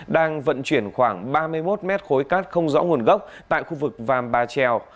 đang vận chuyển khoảng ba mươi một mét khối cát không rõ nguồn gốc tại khu vực vàm bà trèo